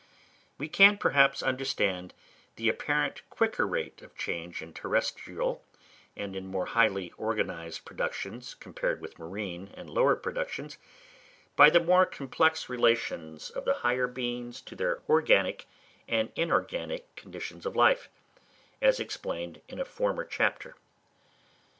We can perhaps understand the apparently quicker rate of change in terrestrial and in more highly organised productions compared with marine and lower productions, by the more complex relations of the higher beings to their organic and inorganic conditions of life, as explained in a former chapter.